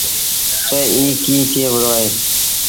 تا ايٚ ڪيٚ ٿئي وهُڙو اهي۔